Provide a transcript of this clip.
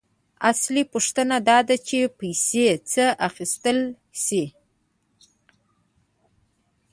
اصلي پوښتنه داده چې پیسې څه اخیستلی شي